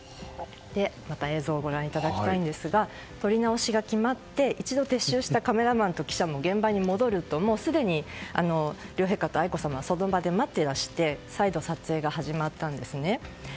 また映像をご覧いただきたいんですが撮り直しが決まって一度、撤収したカメラマンと記者も現場に戻るとすでに両陛下と愛子さまはその場で待っていらして再度、撮影が始まったんですね。